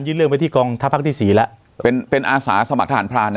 เป็นอาสาสมัครทหารพลาดนะ